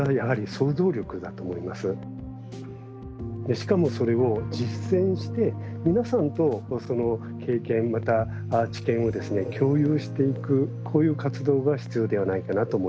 しかもそれを実践して皆さんと経験また知見を共有していくこういう活動が必要ではないかなと思います。